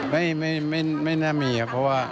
ไม่น่ามีครับเพราะว่า